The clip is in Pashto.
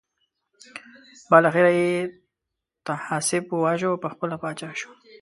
بالاخره یې طاهاسپ وواژه او پخپله پاچا شو.